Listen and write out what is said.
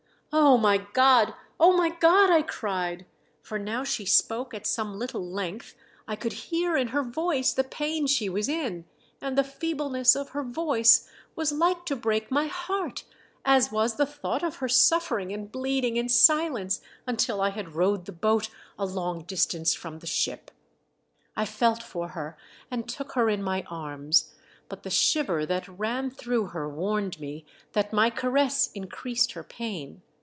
"Oh, my God! Oh, my God!" I cried, for now she spoke at some little length I could hear in her voice the pain she was in ; and the feebleness of her voice was like to break my heart, as was the thought of her suffering and bleeding in silence until I had MV POOR DARLING. 499 rowed the boat a long distance from the ship. I felt for her, and took her in my arms, but the shiver that ran through her warned me that my caress increased her pain.